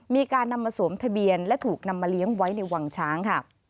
มีการนำมาสวมทะเบียนและถูกนำมาเลี้ยงไว้ในวังช้างค่ะ